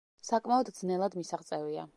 საკმაოდ ძნელად მისაღწევია.